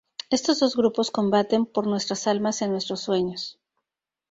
Estos dos grupos combaten por nuestras almas en nuestros sueños.